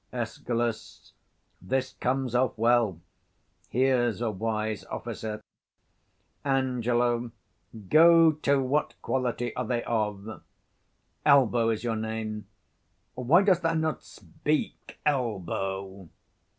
55 Escal. This comes off well; here's a wise officer. Ang. Go to: what quality are they of? Elbow is your name? why dost thou not speak, Elbow?